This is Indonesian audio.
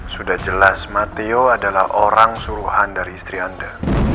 sudah jelas mateo adalah orang suruhan dari istri anda